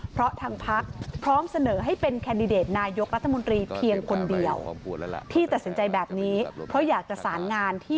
เพราะทางพักพร้อมเสนอให้เป็น